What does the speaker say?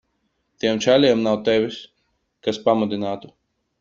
Tiem čaļiem nav tevis, kas pamudinātu.